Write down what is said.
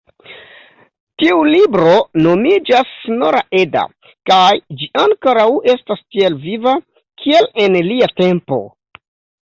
Tiu libro nomiĝas Snorra-Edda kaj ĝi ankoraŭ estas tiel viva, kiel en lia tempo.